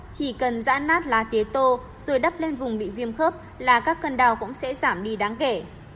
chỉ cần dã nát lá tế tô rồi đắp lên vùng bị viêm khớp là các cơn đau cũng sẽ giảm đi đáng kể